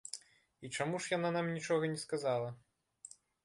І чаму ж яна нам нічога не сказала?